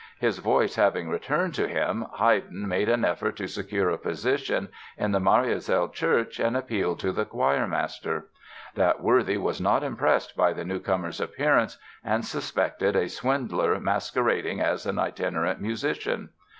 His voice having returned to him Haydn made an effort to secure a position in the Mariazell church and appealed to the choirmaster. That worthy was not impressed by the newcomer's appearance and suspected a swindler masquerading as an itinerant musician.